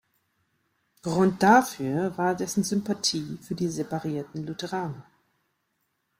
Grund dafür war dessen Sympathie für die separierten Lutheraner.